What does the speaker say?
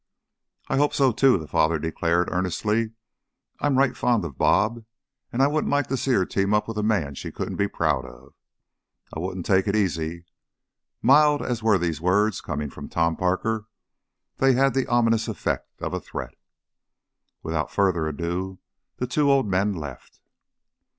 "I hope so, too," the father declared, earnestly. "I'm right fond of 'Bob,' and I wouldn't like to see her team up with a man she couldn't be proud of. I wouldn't take it easy." Mild as were these words, coming from Tom Parker they had the ominous effect of a threat. Without further ado the two old men left.